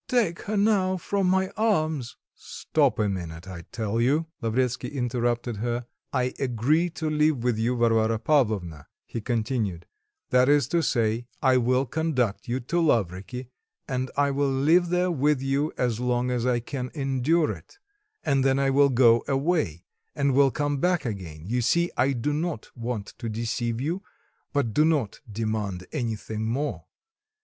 "Take her now from my arms " "Stop a minute, I tell you," Lavretsky interrupted her, "I agree to live with you, Varvara Pavlovna," he continued, "that is to say, I will conduct you to Lavriky, and I will live there with you, as long as I can endure it, and then I will go away and will come back again. You see, I do not want to deceive you; but do not demand anything more.